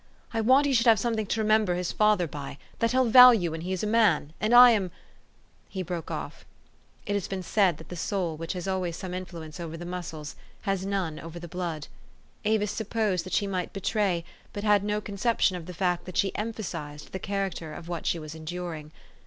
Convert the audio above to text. I want he should have something to remem ber his father by, that he'll value when he is a man, and I am" He broke off. It has been said that the soul, which has always some influence over the muscles, has none over the blood. Avis supposed that she might betray, but had no conception of the fact that she emphasized, the character of what she was en during.